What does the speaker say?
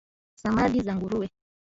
samadi za nguruwe